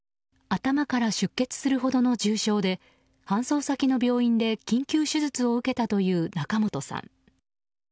頭から出血するほどの重傷で搬送先の病院で緊急手術を受けたという仲本さん。